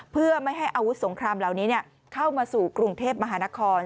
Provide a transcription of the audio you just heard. เพื่อไม่ให้อาวุธสงครามเหล่านี้เข้ามาสู่กรุงเทพมหานคร